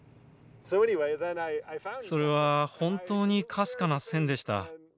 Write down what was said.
それは本当にかすかな線でした。